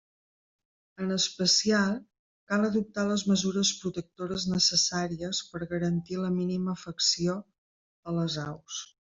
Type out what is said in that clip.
En especial, cal adoptar les mesures protectores necessàries per a garantir la mínima afecció a les aus.